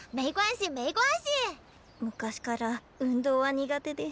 昔から運動は苦手で。